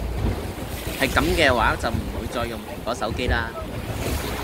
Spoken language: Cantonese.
係咁既話就唔會再用蘋果手機啦